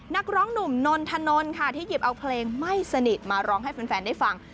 นักร้องหนุ่มนนทนนท์ค่ะที่หยิบเอาเพลงไม่สนิทมาร้องให้แฟนได้ฟัง